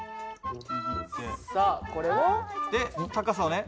さあこれを？で高さをね。